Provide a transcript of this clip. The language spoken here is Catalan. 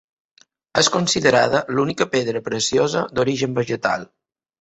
És considerada l'única pedra preciosa d'origen vegetal.